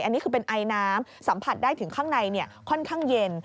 อันนี้คือเป็นไอน้ำสัมผัสได้ถึงข้างในค่อนข้างเย็น